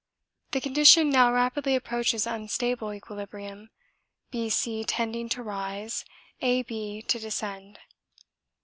The condition now rapidly approaches unstable equilibrium, B C tending to rise, A B to descend.